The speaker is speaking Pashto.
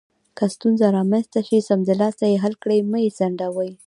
که ستونزه رامنځته شي، سمدلاسه یې حل کړئ، مه یې ځنډوئ.